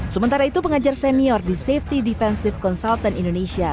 sementara itu pengajar senior di safety defensive consultant indonesia